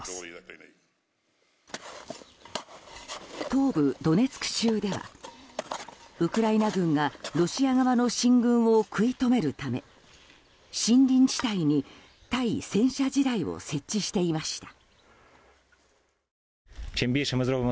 東部ドネツク州ではウクライナ軍がロシア側の進軍を食い止めるため森林地帯に対戦車地雷を設置していました。